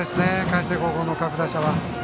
海星高校の各打者は。